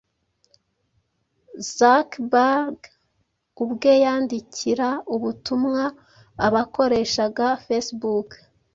Zuckerberg ubwe yandikira ubutumwa abakoreshaga Facebook